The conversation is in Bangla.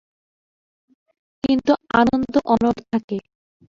কিন্তু আনন্দ অনড় থাকে।